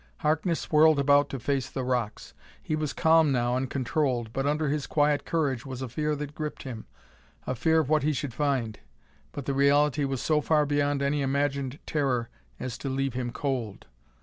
Harkness whirled about to face the rocks. He was calm now and controlled, but under his quiet courage was a fear that gripped him. A fear of what he should find! But the reality was so far beyond any imagined terror as to leave him cold.